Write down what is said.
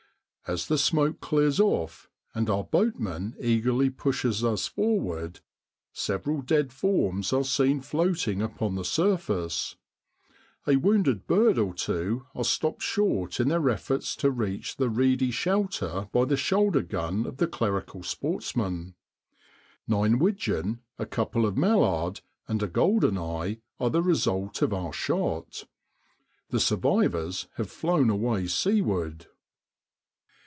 As the smoke clears off, and our boatman eagerly pushes us forward, several dead forms are seen floating upon the surface; a wounded bird or two are stopped short in their efforts to reach the reedy shelter by the shoulder gun of the clerical sportsman. Nine widgeon, a couple of mallard, and a golden eye, are the result of our shot. The survivors have flown away seaward.